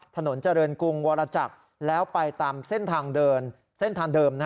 ถนนเจริญกรุงวรจักรแล้วไปตามเส้นทางเดิม